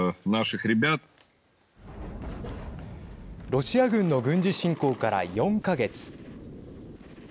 ロシア軍の軍事侵攻から４か月。